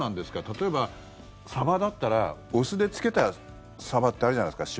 例えば、サバだったらお酢でつけたサバってあるじゃないですか。